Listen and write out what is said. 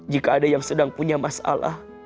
jika ada yang sedang punya masalah